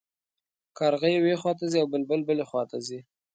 کارغه یوې خوا ته ځي او بلبل بلې خوا ته ځي.